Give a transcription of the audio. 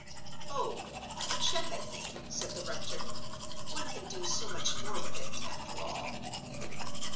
"Oh, a cheque, I think," said the rector; "one can do so much more with it, after all."